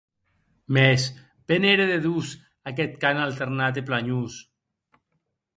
Mès, be n’ère de doç aqueth cant alternat e planhós!